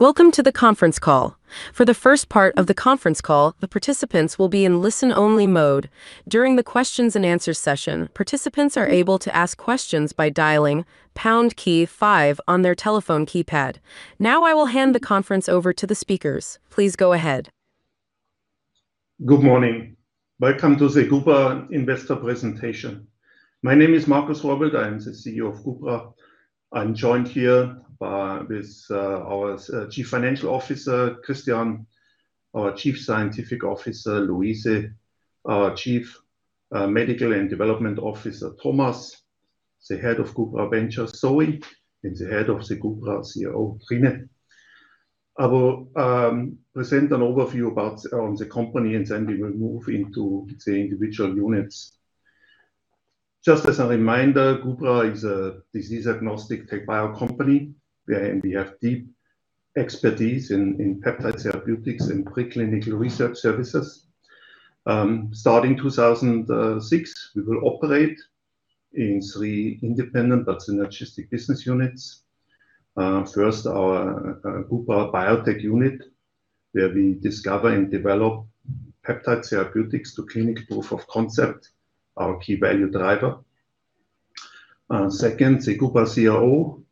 Welcome to the conference call. For the first part of the conference call, the participants will be in listen-only mode. During the questions and answer session, participants are able to ask questions by dialing pound key five on their telephone keypad. I will hand the conference over to the speakers. Please go ahead. Good morning. Welcome to the Gubra Investor Presentation. My name is Markus Rohrwild, I am the CEO of Gubra. I'm joined here with our Chief Financial Officer, Christian, our Chief Scientific Officer, Louise, our Chief Medical and Development Officer, Thomas, the Head of Gubra Ventures, Zoe, and the Head of the Gubra CRO, Trine. I will present an overview about, on the company, and then we will move into the individual units. Just as a reminder, Gubra is a disease-agnostic tech biocompany, where we have deep expertise in peptide therapeutics and preclinical research services. Starting 2006, we will operate in three independent but synergistic business units. First, our Gubra Biotech unit, where we discover and develop peptide therapeutics to clinical proof of concept, our key value driver. Second, the Gubra CRO,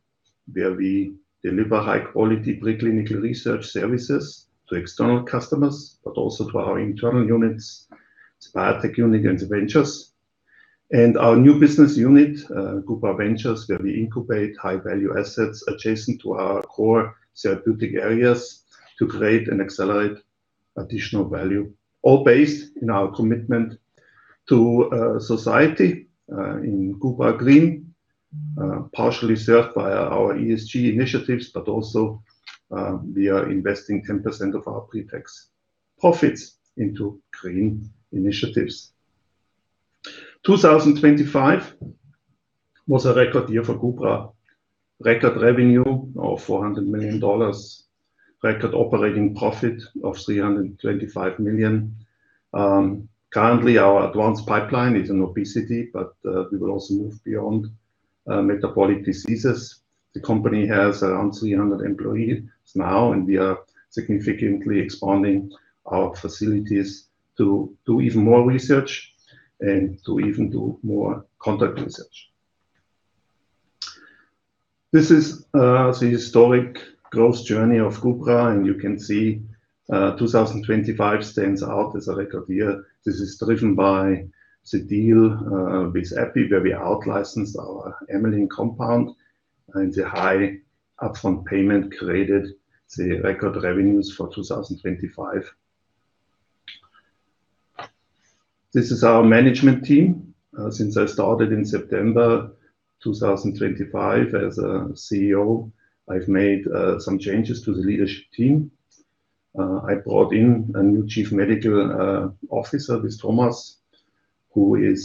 where we deliver high-quality preclinical research services to external customers, but also to our internal units, Gubra Biotech unit, and Gubra Ventures. Our new business unit, Gubra Ventures, where we incubate high-value assets adjacent to our core therapeutic areas to create and accelerate additional value, all based in our commitment to society in Gubra Green, partially served by our ESG initiatives, but also, we are investing 10% of our pretax profits into green initiatives. 2025 was a record year for Gubra. Record revenue of $400 million, record operating profit of $325 million. Currently, our advanced pipeline is in obesity, but we will also move beyond metabolic diseases. The company has around 300 employees now, and we are significantly expanding our facilities to do even more research and to even do more contract research. This is the historic growth journey of Gubra, and you can see 2025 stands out as a record year. This is driven by the deal with AbbVie, where we outlicensed our amylin compound, and the high upfront payment created the record revenues for 2025. This is our management team. Since I started in September 2025 as a CEO, I've made some changes to the leadership team. I brought in a new Chief Medical Officer with Thomas, who is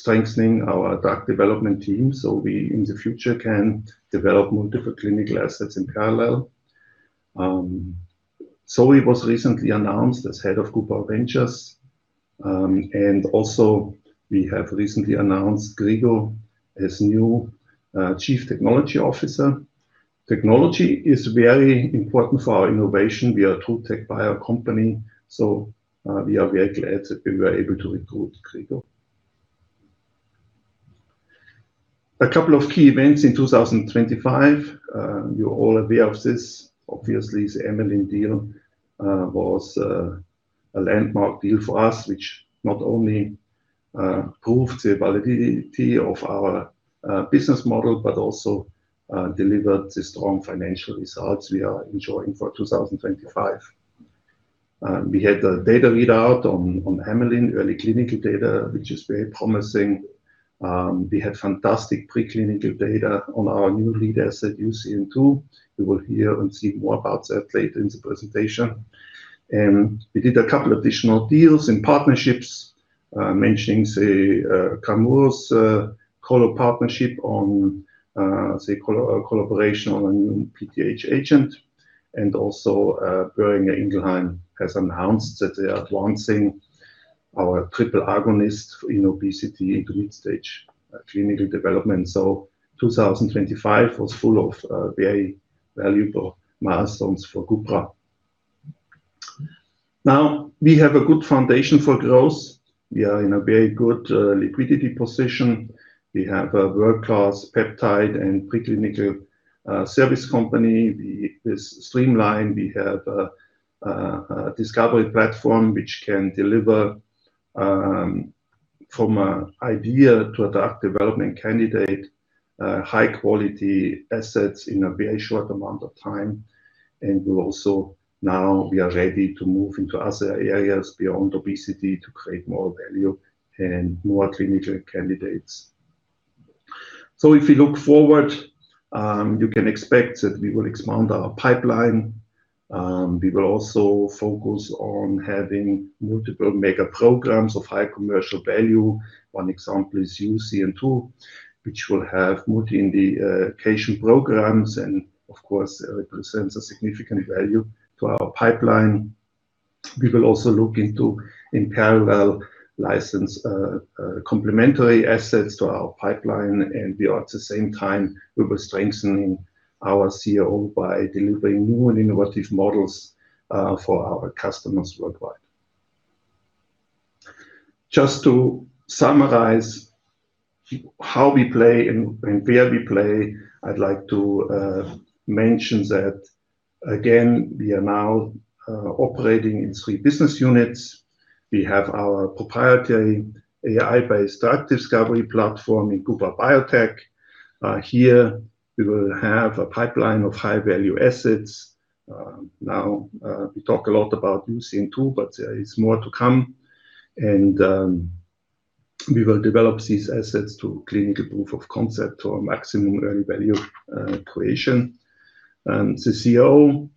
strengthening our drug development team so we, in the future, can develop multiple clinical assets in parallel. Zoe was recently announced as Head of Gubra Ventures, we have recently announced Grigo as new Chief Technology Officer. Technology is very important for our innovation. We are a true tech biocompany, we are very glad that we were able to recruit Grigo. A couple of key events in 2025. You're all aware of this. Obviously, the amylin deal was a landmark deal for us, which not only proved the validity of our business model, delivered the strong financial results we are enjoying for 2025. We had a data readout on amylin, early clinical data, which is very promising. We had fantastic preclinical data on our new lead asset, UCN2. We will hear and see more about that later in the presentation. We did a couple additional deals and partnerships, mentioning the Camurus collaboration on a new PTH agent, and also Boehringer Ingelheim has announced that they are advancing our triple agonist in obesity into lead stage clinical development. 2025 was full of very valuable milestones for Gubra. We have a good foundation for growth. We are in a very good liquidity position. We have a world-class peptide and preclinical service company. It's streamlined. We have a discovery platform which can deliver from a idea to a drug development candidate, high-quality assets in a very short amount of time. We are ready to move into other areas beyond obesity to create more value and more clinical candidates. If you look forward, you can expect that we will expand our pipeline. We will also focus on having multiple mega programs of high commercial value. One example is UCN2, which will have multi-indication programs and of course, represents a significant value to our pipeline. We will also look into, in parallel, license complementary assets to our pipeline, and we are at the same time, we were strengthening our CRO by delivering new and innovative models for our customers worldwide. Just to summarize how we play and where we play, I'd like to mention that again, we are now operating in three business units. We have our proprietary AI-based drug discovery platform in Gubra Biotech. Here, we will have a pipeline of high-value assets. Now, we talk a lot about UCN2, but it's more to come. We will develop these assets to clinical proof of concept or maximum value creation. The CRO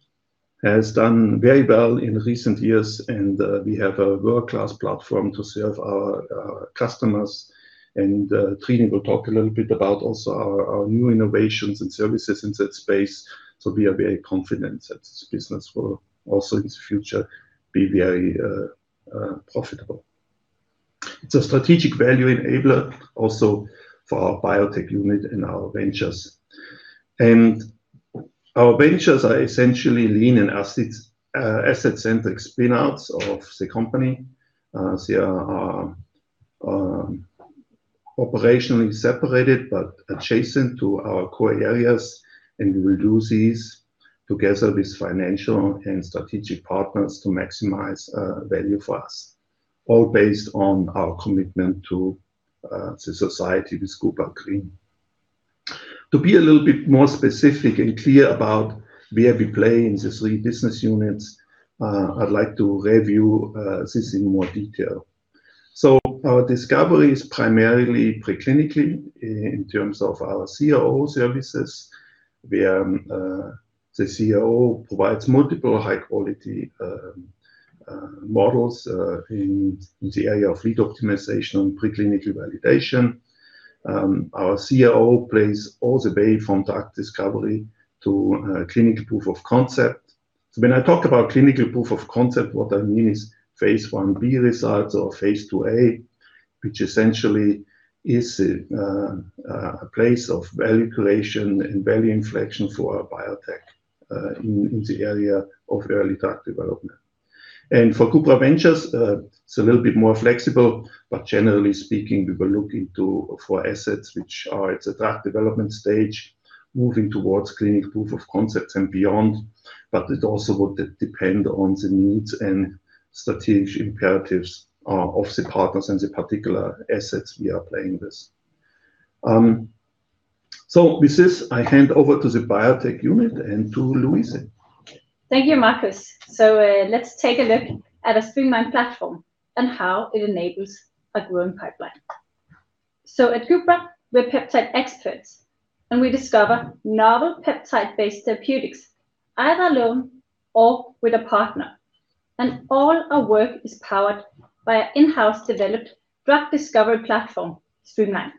has done very well in recent years, and we have a world-class platform to serve our customers. Trine will talk a little bit about also our new innovations and services in that space. We are very confident that this business will also in the future be very profitable. It's a strategic value enabler also for our biotech unit and our ventures. Our ventures are essentially lean and asset-centric spin-outs of the company. They are operationally separated but adjacent to our core areas, and we will do these together with financial and strategic partners to maximize value for us, all based on our commitment to the society with Gubra Green. To be a little bit more specific and clear about where we play in the three business units, I'd like to review this in more detail. Our discovery is primarily preclinically in terms of our CRO services, where the CRO provides multiple high-quality models in the area of lead optimization and preclinical validation. Our CRO plays all the way from drug discovery to clinical proof of concept. When I talk about clinical proof of concept, what I mean is phase Ib results or phase IIa, which essentially is a place of value creation and value inflection for our biotech in the area of early drug development. For Gubra Ventures, it's a little bit more flexible, but generally speaking, we were looking to... for assets which are at the drug development stage, moving towards clinical proof of concepts and beyond, but it also would de-depend on the needs and strategic imperatives of the partners and the particular assets we are playing with. With this, I hand over to the Biotech unit and to Louise. Thank you, Markus. Let's take a look at our streaMLine platform and how it enables a growing pipeline. At Gubra, we're peptide experts, and we discover novel peptide-based therapeutics, either alone or with a partner. All our work is powered by an in-house developed drug discovery platform, streaMLine.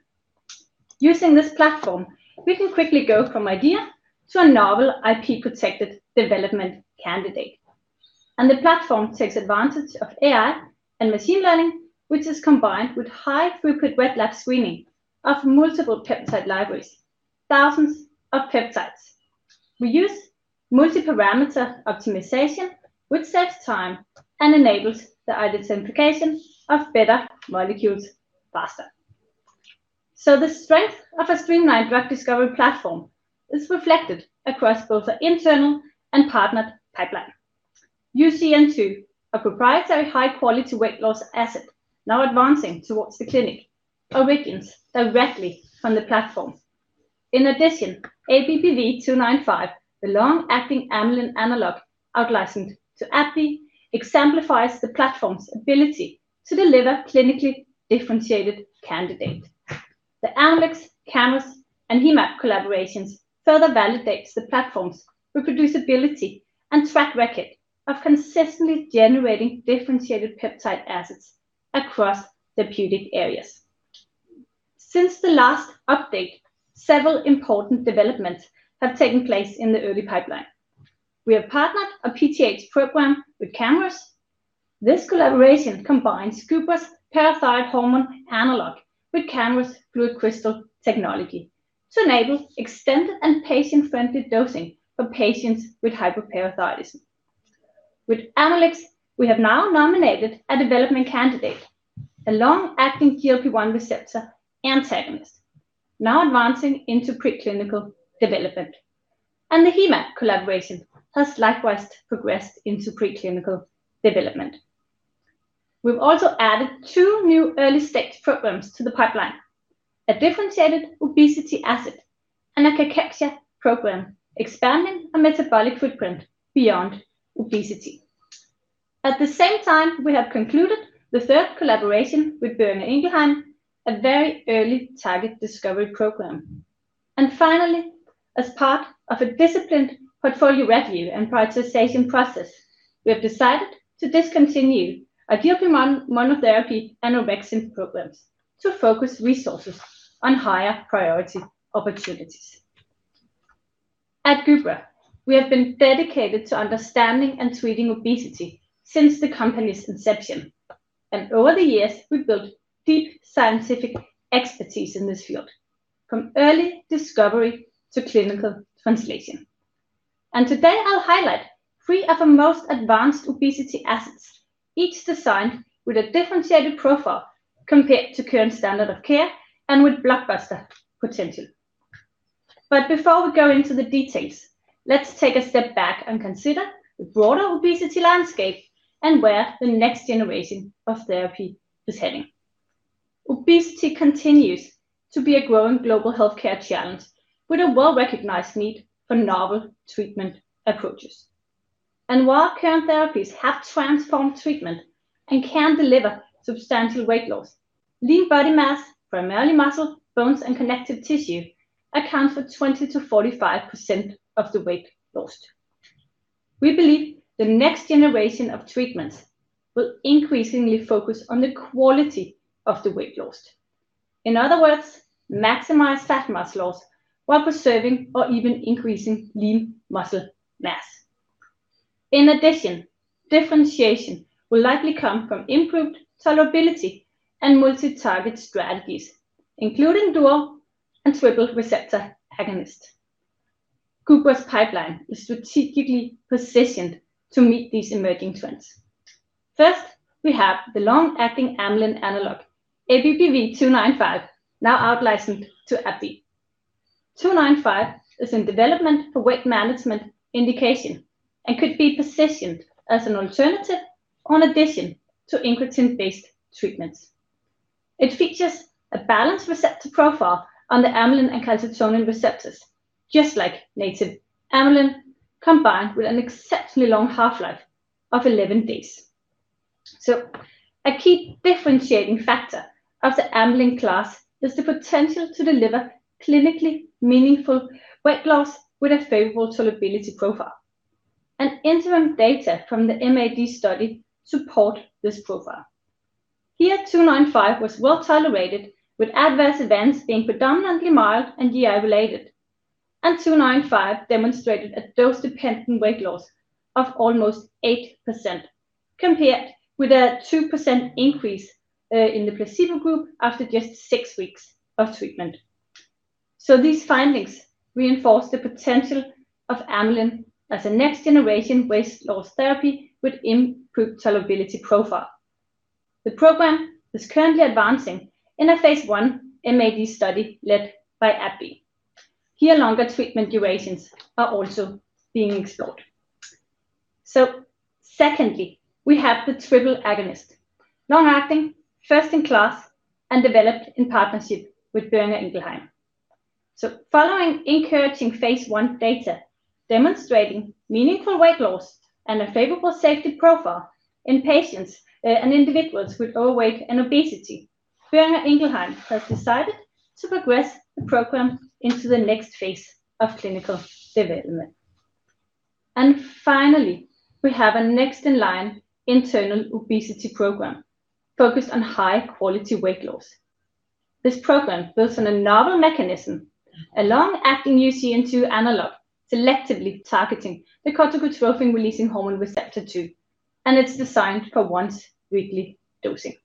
Using this platform, we can quickly go from idea to a novel IP-protected development candidate. The platform takes advantage of AI and machine learning, which is combined with high-throughput wet lab screening of multiple peptide libraries, thousands of peptides. We use multi-parameter optimization, which saves time and enables the identification of better molecules faster. The strength of a streaMLine drug discovery platform is reflected across both our internal and partnered pipeline. UCN2, a proprietary high-quality weight loss asset, now advancing towards the clinic, origins directly from the platform. In addition, ABBV-295, the long-acting amylin analog outlicensed to AbbVie, exemplifies the platform's ability to deliver clinically differentiated candidate. The Amylyx, Camurus, and Hemab collaborations further validates the platform's reproducibility and track record of consistently generating differentiated peptide assets across therapeutic areas. Since the last update, several important developments have taken place in the early pipeline. We have partnered a PTH program with Camurus. This collaboration combines Gubra's parathyroid hormone analog with Camurus' FluidCrystal technology to enable extended and patient-friendly dosing for patients with hypoparathyroidism. With Amylyx, we have now nominated a development candidate, a long-acting GLP-1 receptor antagonist, now advancing into preclinical development. The Hemab collaboration has likewise progressed into preclinical development. We've also added two new early-stage programs to the pipeline, a differentiated obesity asset and a cachexia program, expanding our metabolic footprint beyond obesity. At the same time, we have concluded the third collaboration with Boehringer Ingelheim, a very early target discovery program. Finally, as part of a disciplined portfolio review and prioritization process, we have decided to discontinue our GLP-1 monotherapy and obexin programs to focus resources on higher priority opportunities. At Gubra, we have been dedicated to understanding and treating obesity since the company's inception. Over the years, we've built deep scientific expertise in this field, from early discovery to clinical translation. Today, I'll highlight three of our most advanced obesity assets, each designed with a differentiated profile compared to current standard of care and with blockbuster potential. Before we go into the details, let's take a step back and consider the broader obesity landscape and where the next generation of therapy is heading. Obesity continues to be a growing global healthcare challenge, with a well-recognized need for novel treatment approaches. While current therapies have transformed treatment and can deliver substantial weight loss, lean body mass, primarily muscle, bones, and connective tissue, accounts for 20% to 45% of the weight lost. We believe the next generation of treatments will increasingly focus on the quality of the weight lost. In other words, maximize fat mass loss while preserving or even increasing lean muscle mass. In addition, differentiation will likely come from improved tolerability and multi-target strategies, including dual and triple receptor agonists. Gubra's pipeline is strategically positioned to meet these emerging trends. First, we have the long-acting amylin analog, ABBV-295, now out licensed to AbbVie. 295 is in development for weight management indication and could be positioned as an alternative or an addition to incretin-based treatments. It features a balanced receptor profile on the amylin and calcitonin receptors, just like native amylin, combined with an exceptionally long half-life of 11 days. A key differentiating factor of the amylin class is the potential to deliver clinically meaningful weight loss with a favorable tolerability profile. Interim data from the MAD study support this profile. Here, 295 was well-tolerated, with adverse events being predominantly mild and GI related. 295 demonstrated a dose-dependent weight loss of almost 8%, compared with a 2% increase in the placebo group after just 6 weeks of treatment. These findings reinforce the potential of amylin as a next-generation weight loss therapy with improved tolerability profile. The program is currently advancing in a Phase 1 MAD study led by AbbVie. Here, longer treatment durations are also being explored. Secondly, we have the triple agonist, long-acting, first-in-class, and developed in partnership with Boehringer Ingelheim. Following encouraging Phase 1 data, demonstrating meaningful weight loss and a favorable safety profile in patients and individuals with overweight and obesity, Boehringer Ingelheim has decided to progress the program into the next phase of clinical development. Finally, we have a next-in-line internal obesity program focused on high-quality weight loss. This program builds on a novel mechanism, a long-acting UCN2 analog, selectively targeting the corticotropin-releasing hormone receptor type 2, and it's designed for once-weekly dosing.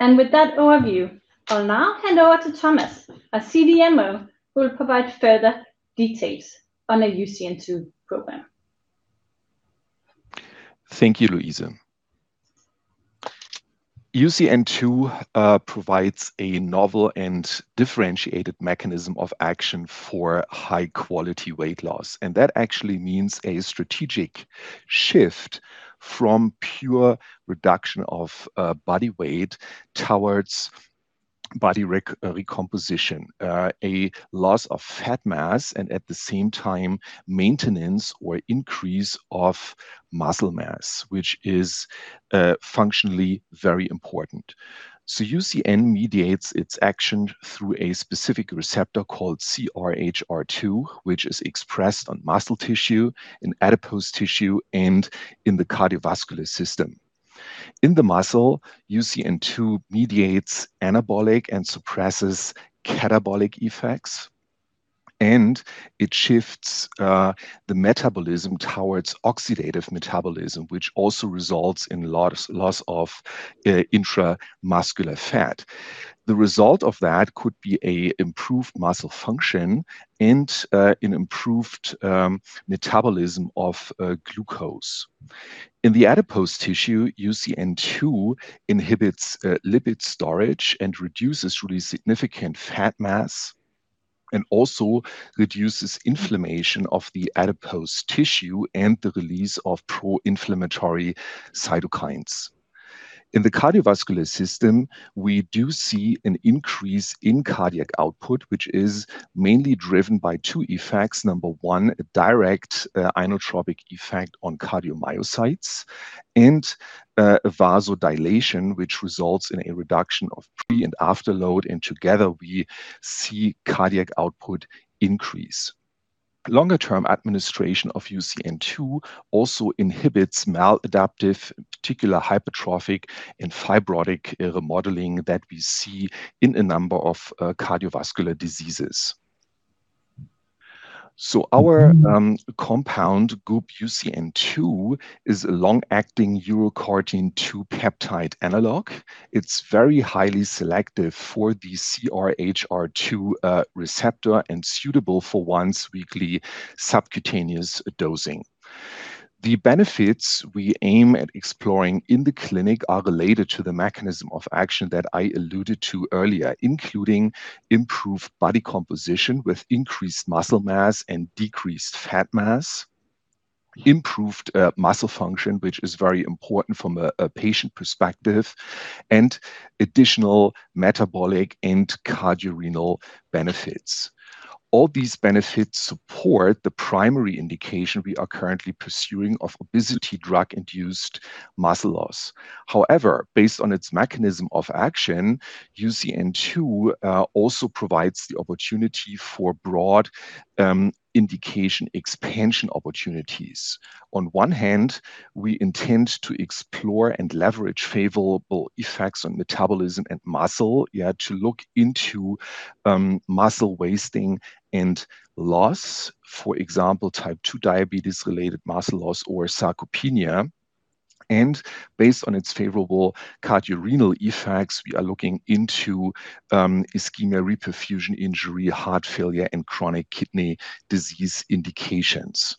With that overview, I'll now hand over to Thomas, our CMDO, who will provide further details on our UCN2 program. Thank you, Louise. UCN2 provides a novel and differentiated mechanism of action for high-quality weight loss. That actually means a strategic shift from pure reduction of body weight towards body recomposition. A loss of fat mass, and at the same time, maintenance or increase of muscle mass, which is functionally very important. UCN mediates its action through a specific receptor called CRHR2, which is expressed on muscle tissue, in adipose tissue, and in the cardiovascular system. In the muscle, UCN2 mediates anabolic and suppresses catabolic effects. It shifts the metabolism towards oxidative metabolism, which also results in loss of intramuscular fat. The result of that could be a improved muscle function and an improved metabolism of glucose. In the adipose tissue, UCN2 inhibits lipid storage and reduces really significant fat mass, and also reduces inflammation of the adipose tissue and the release of pro-inflammatory cytokines. In the cardiovascular system, we do see an increase in cardiac output, which is mainly driven by two effects. Number one, a direct inotropic effect on cardiomyocytes and vasodilation, which results in a reduction of pre and afterload, and together, we see cardiac output increase. Longer-term administration of UCN2 also inhibits maladaptive, particular hypertrophic and fibrotic remodeling that we see in a number of cardiovascular diseases. Our compound, GUB-UCN2, is a long-acting Urocortin 2 peptide analog. It's very highly selective for the CRHR2 receptor and suitable for once-weekly subcutaneous dosing. The benefits we aim at exploring in the clinic are related to the mechanism of action that I alluded to earlier, including improved body composition with increased muscle mass and decreased fat mass, improved muscle function, which is very important from a patient perspective, and additional metabolic and cardiorenal benefits. All these benefits support the primary indication we are currently pursuing of obesity drug-induced muscle loss. However, based on its mechanism of action, UCN2 also provides the opportunity for broad indication expansion opportunities. On one hand, we intend to explore and leverage favorable effects on metabolism and muscle to look into muscle wasting and loss. For example, type two diabetes-related muscle loss or sarcopenia. Based on its favorable cardiorenal effects, we are looking into ischemia-reperfusion injury, heart failure, and chronic kidney disease indications.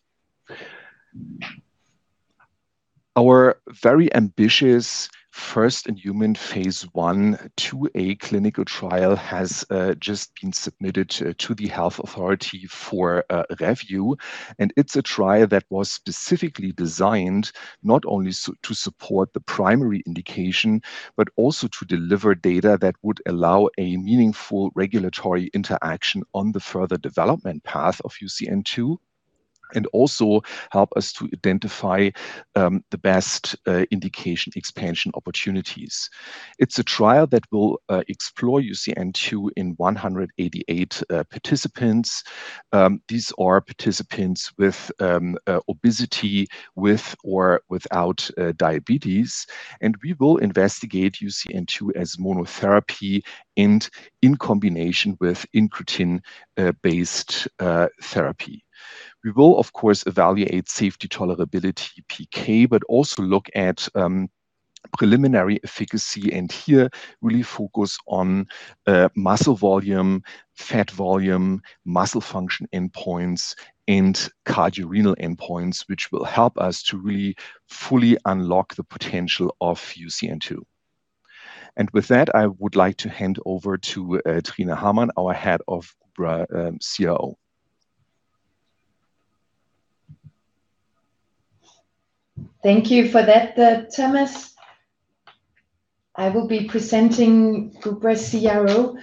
Our very ambitious first-in-human Phase I/IIa clinical trial has just been submitted to the health authority for review, and it's a trial that was specifically designed not only to support the primary indication, but also to deliver data that would allow a meaningful regulatory interaction on the further development path of UCN2, and also help us to identify the best indication expansion opportunities. It's a trial that will explore UCN2 in 188 participants. These are participants with obesity, with or without diabetes, and we will investigate UCN2 as monotherapy and in combination with incretin-based therapy. We will, of course, evaluate safety tolerability, PK, but also look at preliminary efficacy, and here really focus on muscle volume, fat volume, muscle function endpoints, and cardiorenal endpoints, which will help us to really fully unlock the potential of UCN2. With that, I would like to hand over to Trine Hamann, our Head of Gubra CRO. Thank you for that, Thomas. I will be presenting Gubra CRO.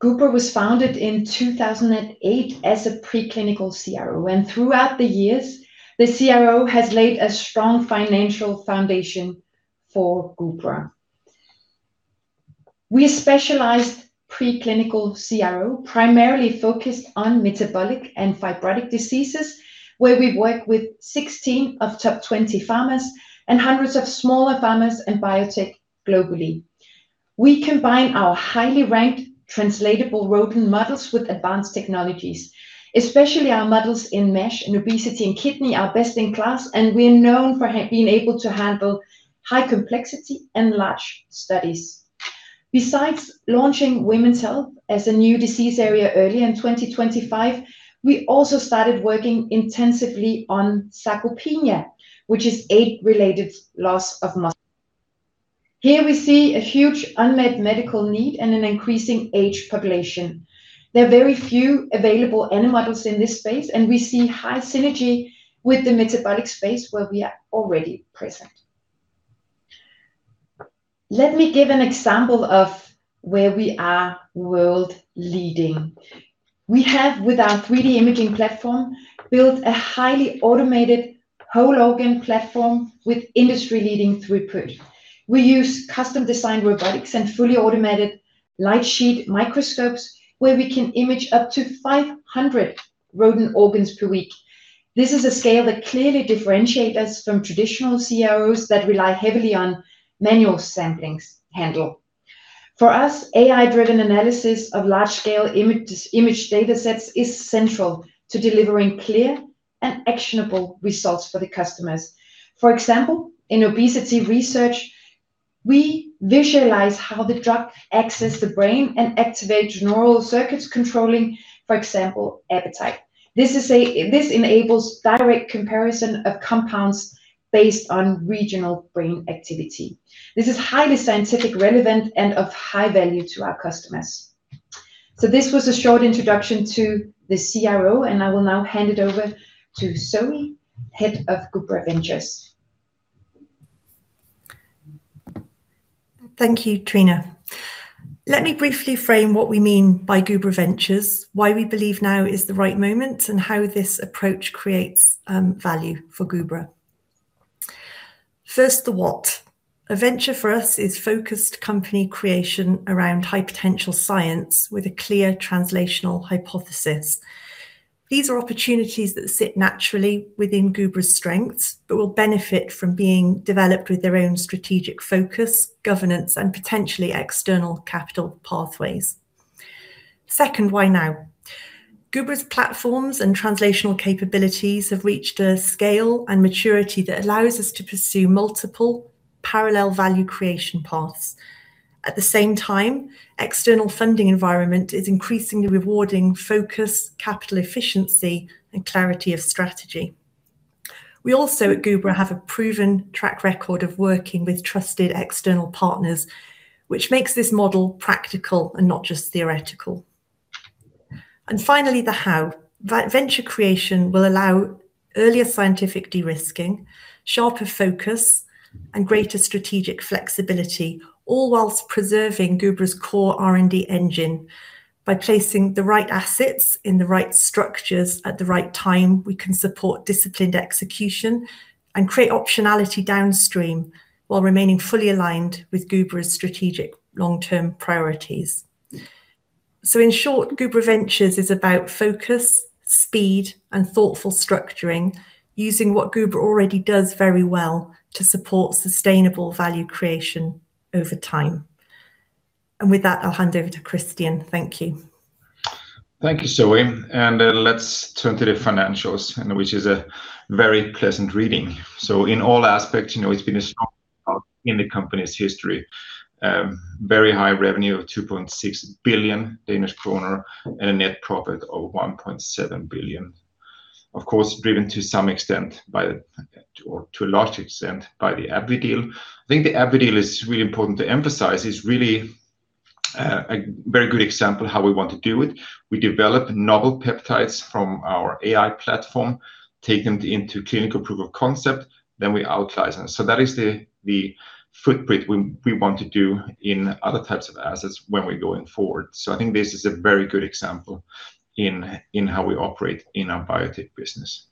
Gubra was founded in 2008 as a preclinical CRO, and throughout the years, the CRO has laid a strong financial foundation for Gubra. We are a specialized preclinical CRO, primarily focused on metabolic and fibrotic diseases, where we work with 16 of top 20 pharmas and hundreds of smaller pharmas and biotech globally. We combine our highly ranked translatable rodent models with advanced technologies, especially our models in MASH and obesity and kidney are best in class, and we are known for being able to handle high complexity and large studies. Besides launching women's health as a new disease area early in 2025, we also started working intensively on sarcopenia, which is age-related loss of muscle. Here we see a huge unmet medical need and an increasing age population. There are very few available animal models in this space. We see high synergy with the metabolic space where we are already present. Let me give an example of where we are world leading. We have, with our 3D imaging platform, built a highly automated whole organ platform with industry-leading throughput. We use custom-designed robotics and fully automated light sheet microscopes, where we can image up to 500 rodent organs per week. This is a scale that clearly differentiate us from traditional CROs that rely heavily on manual samplings handle. For us, AI-driven analysis of large-scale image datasets is central to delivering clear and actionable results for the customers. For example, in obesity research, we visualize how the drug access the brain and activate neural circuits controlling, for example, appetite. This enables direct comparison of compounds based on regional brain activity. This is highly scientific relevant and of high value to our customers. This was a short introduction to the CRO, and I will now hand it over to Zoe, Head of Gubra Ventures. Thank you, Trine. Let me briefly frame what we mean by Gubra Ventures, why we believe now is the right moment, and how this approach creates value for Gubra. First, the what. A venture for us is focused company creation around high-potential science with a clear translational hypothesis. These are opportunities that sit naturally within Gubra's strengths but will benefit from being developed with their own strategic focus, governance, and potentially external capital pathways. Second, why now? Gubra's platforms and translational capabilities have reached a scale and maturity that allows us to pursue multiple parallel value creation paths. At the same time, external funding environment is increasingly rewarding focus, capital efficiency, and clarity of strategy. We also, at Gubra, have a proven track record of working with trusted external partners, which makes this model practical and not just theoretical. Finally, the how. Venture creation will allow earlier scientific de-risking, sharper focus, and greater strategic flexibility, all whilst preserving Gubra's core R&D engine. By placing the right assets in the right structures at the right time, we can support disciplined execution and create optionality downstream, while remaining fully aligned with Gubra's strategic long-term priorities. In short, Gubra Ventures is about focus, speed, and thoughtful structuring, using what Gubra already does very well to support sustainable value creation over time. With that, I'll hand over to Christian. Thank you. Thank you, Zoe, and let's turn to the financials, and which is a very pleasant reading. In all aspects, you know, it's been a strong in the company's history. Very high revenue of 2.6 billion Danish kroner, and a net profit of 1.7 billion. Of course, driven to some extent by the AbbVie deal. I think the AbbVie deal is really important to emphasize, is really a very good example how we want to do it. We develop novel peptides from our AI platform, take them into clinical proof of concept, then we outlicense them. That is the footprint we want to do in other types of assets when we're going forward. I think this is a very good example in how we operate in our biotech business.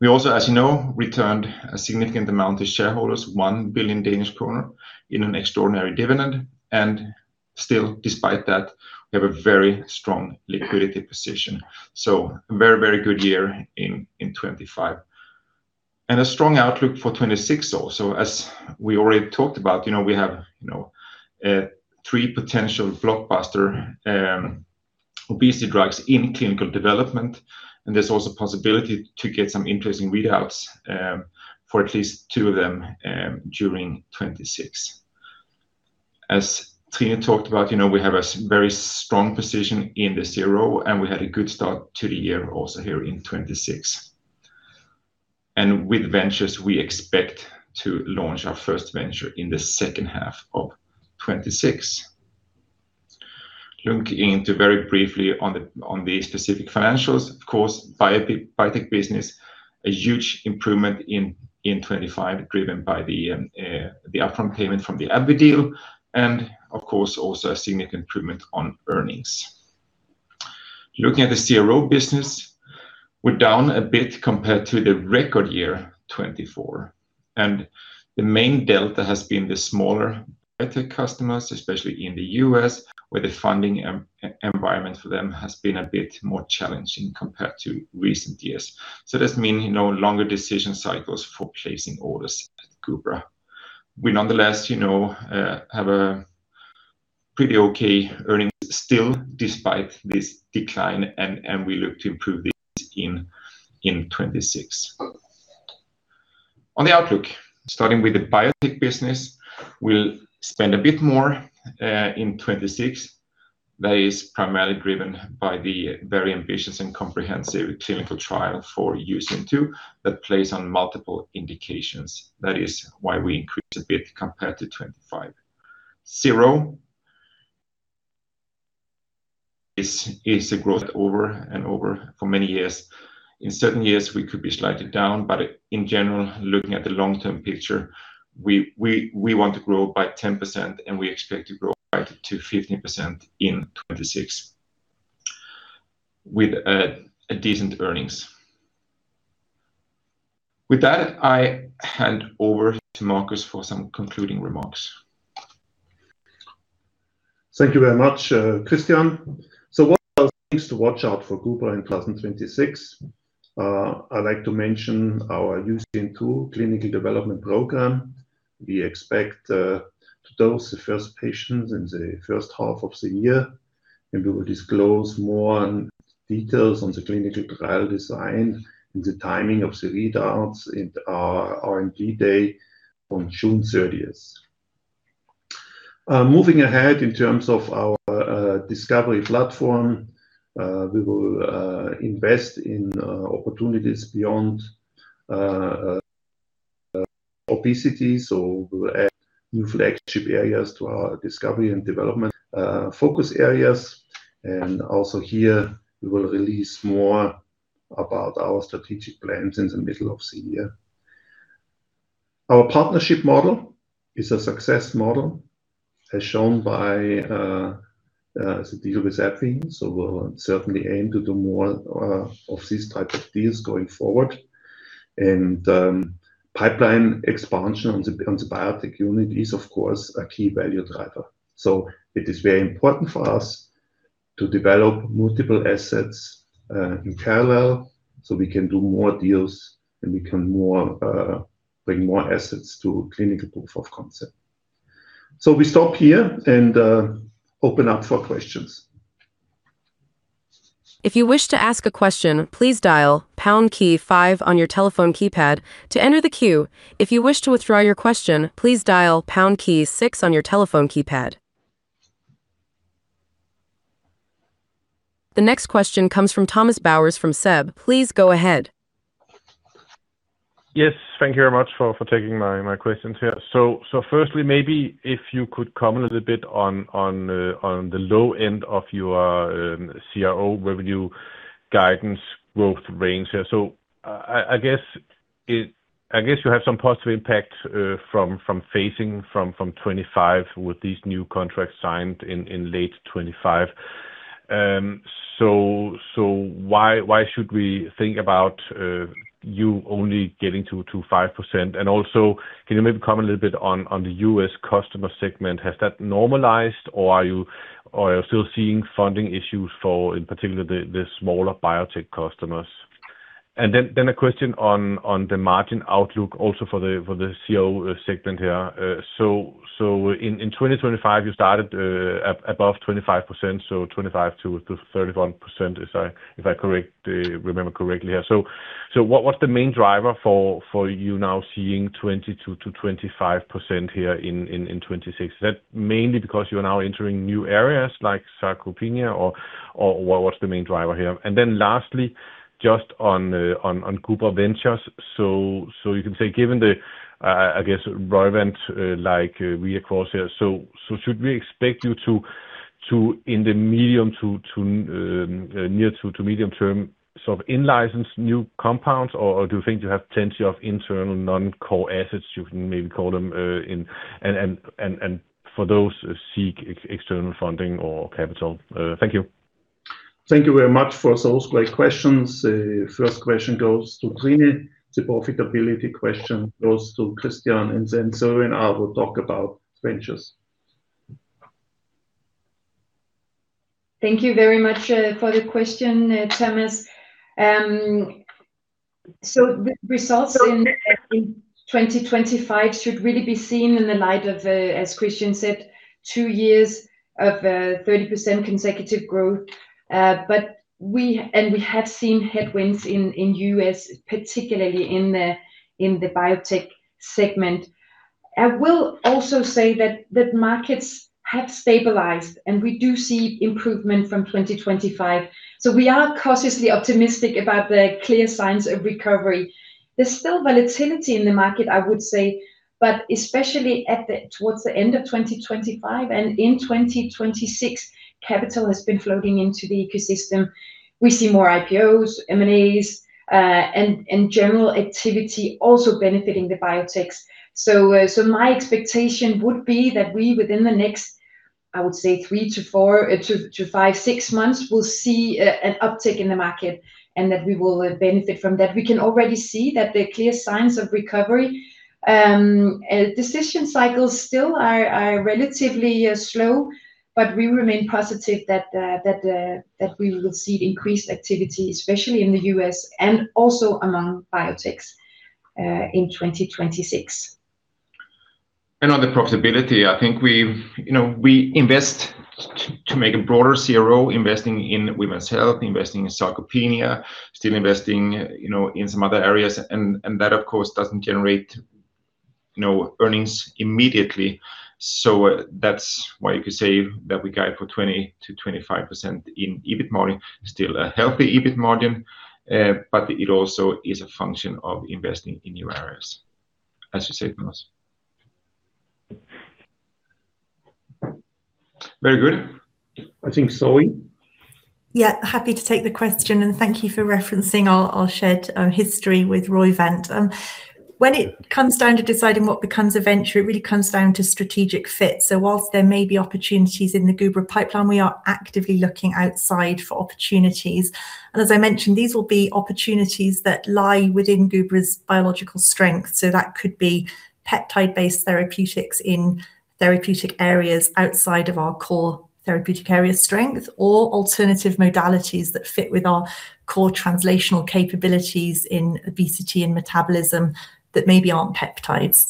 We also, as you know, returned a significant amount to shareholders, 1 billion Danish kroner in an extraordinary dividend. Still, despite that, we have a very strong liquidity position. A very, very good year in 2025. A strong outlook for 2026 also. As we already talked about, you know, we have, you know, 3 potential blockbuster obesity drugs in clinical development. There's also possibility to get some interesting readouts for at least 2 of them during 2026. As Trine talked about, you know, we have a very strong position in the CRO. We had a good start to the year also here in 2026. With ventures, we expect to launch our first venture in the second half of 2026. Looking into very briefly on the specific financials, of course, biotech business, a huge improvement in 2025, driven by the upfront payment from the AbbVie deal, and of course, also a significant improvement on earnings. Looking at the CRO business, we're down a bit compared to the record year, 2024, and the main delta has been the smaller biotech customers, especially in the US, where the funding environment for them has been a bit more challenging compared to recent years. This mean, you know, longer decision cycles for placing orders at Gubra. We nonetheless, you know, have a pretty okay earnings still, despite this decline, and we look to improve this in 2026. On the outlook, starting with the biotech business, we'll spend a bit more in 2026. That is primarily driven by the very ambitious and comprehensive clinical trial for UCN2, that plays on multiple indications. That is why we increase a bit compared to 25. CRO is a growth over and over for many years. In certain years, we could be slightly down, but in general, looking at the long-term picture, we want to grow by 10%, and we expect to grow by to 15% in 2026, with a decent earnings. With that, I hand over to Markus for some concluding remarks. Thank you very much, Christian. What are things to watch out for Gubra in 2026? I'd like to mention our UCN2 clinical development program. We expect to dose the first patients in the first half of the year, and we will disclose more on details on the clinical trial design and the timing of the readouts in our R&D day on June 30th. Moving ahead in terms of our discovery platform, we will invest in opportunities beyond obesity. We'll add new flagship areas to our discovery and development focus areas, and also here, we will release more about our strategic plans in the middle of the year. Our partnership model is a success model, as shown by the deal with AbbVie, we'll certainly aim to do more of these types of deals going forward. Pipeline expansion on the biotech unit is, of course, a key value driver. It is very important for us to develop multiple assets in parallel, we can do more deals and we can bring more assets to clinical proof of concept. We stop here and open up for questions. If you wish to ask a question, please dial pound key five on your telephone keypad to enter the queue. If you wish to withdraw your question, please dial pound key six on your telephone keypad. The next question comes from Thomas Bowers from SEB. Please go ahead. Yes, thank you very much for taking my questions here. Firstly, maybe if you could comment a little bit on the low end of your CRO revenue guidance growth range here. I guess you have some positive impact from phasing from 2025 with these new contracts signed in late 2025. Why should we think about you only getting 2%-5%? Also, can you maybe comment a little bit on the U.S. customer segment? Has that normalized or are you still seeing funding issues for, in particular, the smaller biotech customers? Then a question on the margin outlook also for the CRO segment here. So in 2025, you started at above 25%, so 25%-31%, if I remember correctly here. What's the main driver for you now seeing 22%-25% in 2026? Is that mainly because you are now entering new areas like sarcopenia or what's the main driver here? Lastly, just on the Gubra Ventures. You can say, given the I guess, Roivant like vehicles here, so should we expect you to in the medium, to near to medium term, sort of in-license new compounds? Or do you think you have plenty of internal non-core assets, you can maybe call them? And for those, seek external funding or capital? Thank you. Thank you very much for those great questions. First question goes to Trine. The profitability question goes to Christian. Then Zoe and I will talk about ventures. Thank you very much for the question, Thomas. The results in 2025 should really be seen in the light of as Christian said, 2 years of 30% consecutive growth. We have seen headwinds in the U.S., particularly in the biotech segment. I will also say that markets have stabilized, and we do see improvement from 2025. We are cautiously optimistic about the clear signs of recovery. There's still volatility in the market, I would say, but especially towards the end of 2025 and in 2026, capital has been flowing into the ecosystem. We see more IPOs, M&As, and general activity also benefiting the biotechs. My expectation would be that we, within the next, I would say, 3 to 4, to 5, 6 months, will see an uptick in the market and that we will benefit from that. We can already see that there are clear signs of recovery. Decision cycles still are relatively slow, but we remain positive that we will see increased activity, especially in the U.S. and also among biotechs, in 2026. On the profitability, I think we've, you know, we invest to make a broader CRO, investing in women's health, investing in sarcopenia, still investing, you know, in some other areas, and that, of course, doesn't generate, you know, earnings immediately. That's why you could say that we guide for 20%-25% in EBIT margin. Still a healthy EBIT margin, but it also is a function of investing in new areas, as you said, Thomas. Very good. I think, Zoe? Yeah, happy to take the question, and thank you for referencing our shared history with Roivant. When it comes down to deciding what becomes a venture, it really comes down to strategic fit. Whilst there may be opportunities in the Gubra pipeline, we are actively looking outside for opportunities. As I mentioned, these will be opportunities that lie within Gubra's biological strength. That could be peptide-based therapeutics in therapeutic areas outside of our core therapeutic area strength, or alternative modalities that fit with our core translational capabilities in obesity and metabolism that maybe aren't peptides.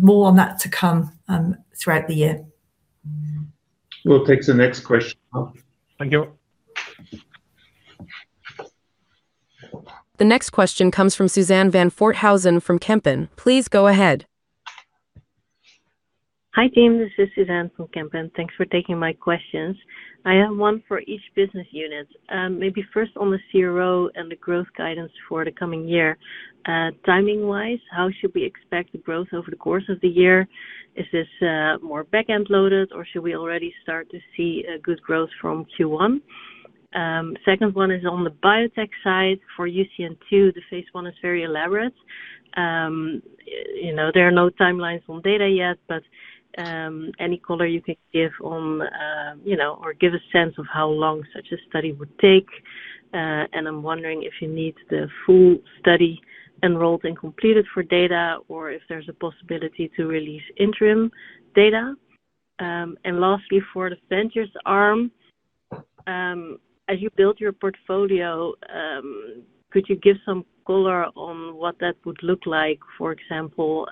More on that to come throughout the year. We'll take the next question now. Thank you. The next question comes from Suzanne van Voorthuizen from Kempen. Please go ahead. Hi, team, this is Suzanne from Kempen. Thanks for taking my questions. I have one for each business unit. Maybe first on the CRO and the growth guidance for the coming year. Timing-wise, how should we expect the growth over the course of the year? Is this more back-end loaded, or should we already start to see a good growth from Q1? Second one is on the biotech side. For UCN2, the phase I is very elaborate. You know, there are no timelines on data yet, but any color you could give on, you know, or give a sense of how long such a study would take. I'm wondering if you need the full study enrolled and completed for data, or if there's a possibility to release interim data. Lastly, for the ventures arm-... As you build your portfolio, could you give some color on what that would look like? For example,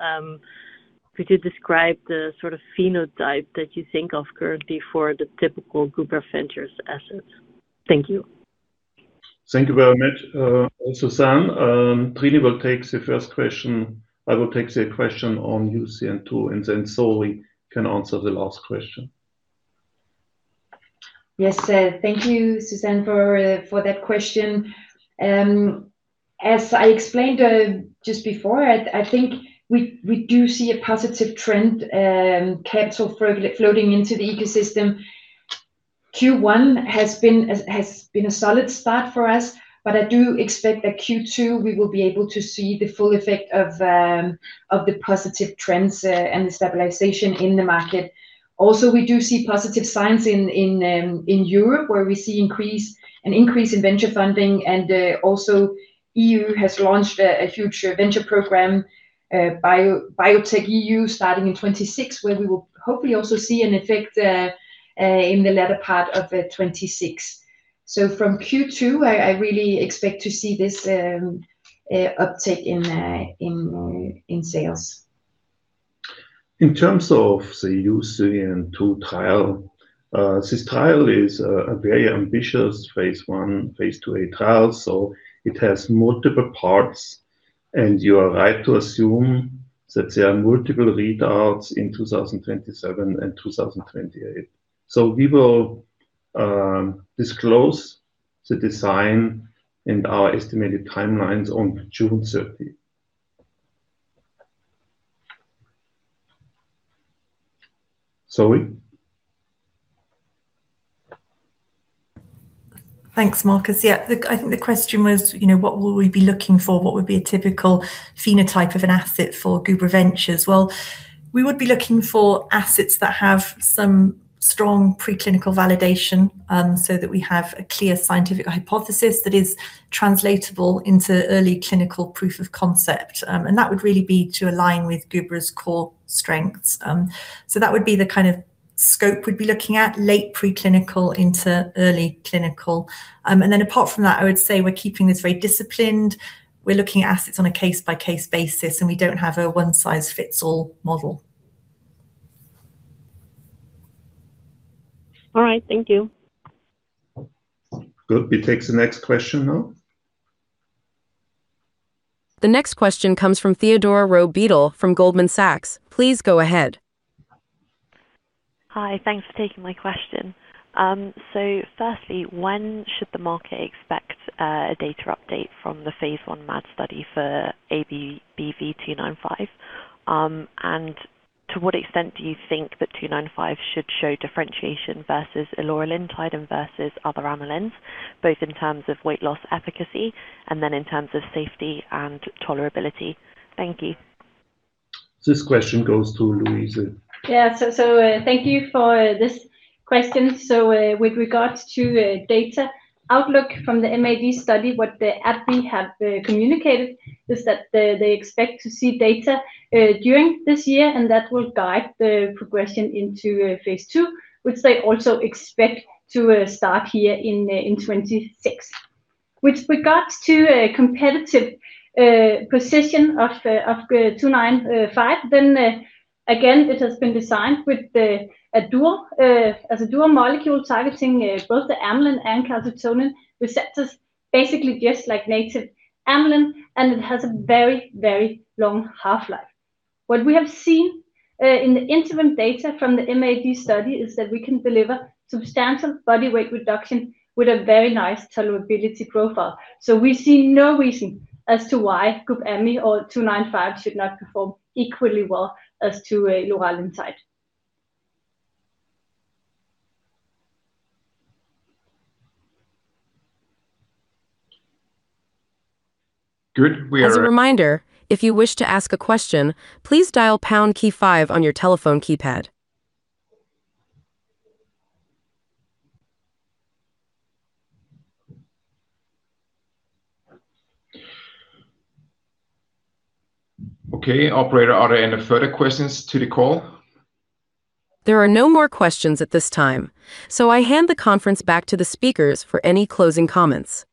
could you describe the sort of phenotype that you think of currently for the typical Gubra Ventures assets? Thank you. Thank you very much, Suzanne. Trine will take the first question. I will take the question on UCN2. Zoe can answer the last question. Yes, thank you, Susanne, for that question. As I explained just before, I think we do see a positive trend, capital flowing into the ecosystem. Q1 has been a solid start for us, but I do expect that Q2, we will be able to see the full effect of the positive trends and the stabilization in the market. Also, we do see positive signs in Europe, where we see an increase in venture funding, and EU has launched a future venture program, BiotechEU, starting in 2026, where we will hopefully also see an effect in the latter part of 2026. From Q2, I really expect to see this uptick in sales. In terms of the UCN2 trial, this trial is a very ambitious phase I, phase IIa trial. It has multiple parts, and you are right to assume that there are multiple readouts in 2027 and 2028. We will disclose the design and our estimated timelines on June 30. Zoe? Thanks, Markus. Yeah, I think the question was, you know, what will we be looking for? What would be a typical phenotype of an asset for Gubra Ventures? Well, we would be looking for assets that have some strong preclinical validation, so that we have a clear scientific hypothesis that is translatable into early clinical proof of concept. That would really be to align with Gubra's core strengths. That would be the kind of scope we'd be looking at, late preclinical into early clinical. Apart from that, I would say we're keeping this very disciplined. We're looking at assets on a case-by-case basis, and we don't have a one-size-fits-all model. All right. Thank you. Good. We take the next question now. The next question comes from Theodora Rowe Beadle from Goldman Sachs. Please go ahead. Hi, thanks for taking my question. Firstly, when should the market expect a data update from the Phase 1 MAD study for ABBV-295? To what extent do you think that 295 should show differentiation versus lorcaserin and versus other amylins, both in terms of weight loss efficacy and then in terms of safety and tolerability? Thank you. This question goes to Louise. Thank you for this question. With regards to data outlook from the MAD study, what AbbVie have communicated is that they expect to see data during this year, and that will guide the progression into phase II, which they also expect to start here in 2026. With regards to a competitive position of the 295, again, it has been designed with a dual as a dual molecule targeting both the amylin and calcitonin receptors, basically just like native amylin, and it has a very long half-life. What we have seen in the interim data from the MAD study is that we can deliver substantial body weight reduction with a very nice tolerability profile. We see no reason as to why Gubra's amylin or 295 should not perform equally well as to lorcaserin type. Good. As a reminder, if you wish to ask a question, please dial pound key 5 on your telephone keypad. Okay, operator, are there any further questions to the call? There are no more questions at this time. I hand the conference back to the speakers for any closing comments.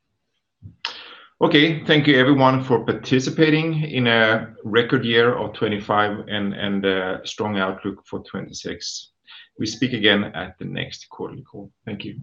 Okay. Thank you, everyone, for participating in a record year of 2025 and a strong outlook for 2026. We speak again at the next quarterly call. Thank you.